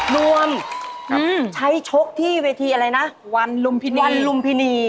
รวมใช้ชกที่เวทีอะไรนะวันลุมพินีวันลุมพินี